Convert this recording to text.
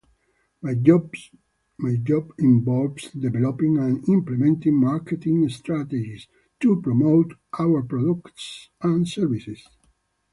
My job involves developing and implementing marketing strategies to promote our products and services.